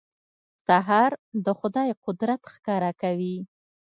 سهار د خدای قدرت ښکاره کوي.